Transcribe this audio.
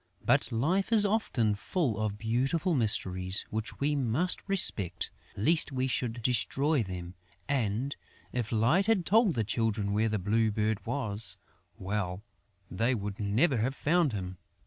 But life is often full of beautiful mysteries, which we must respect, lest we should destroy them; and, if Light had told the Children where the Blue Bird was, well, they would never have found him!